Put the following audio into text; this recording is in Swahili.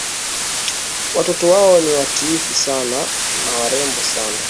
Watoto wao ni watiifu sana na warembo sana